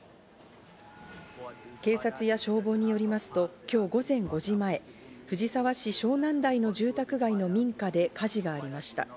警察や消防によりますと今日午前５時前、藤沢市湘南台の住宅街の民家で火事がありました。